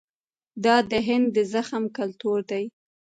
دا د هند د زغم کلتور دی.